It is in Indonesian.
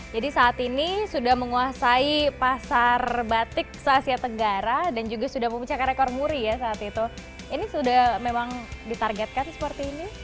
jadi saat ini sudah menguasai pasar batik se asia tenggara dan juga sudah memecahkan rekor muri ya saat itu ini sudah memang ditargetkan seperti ini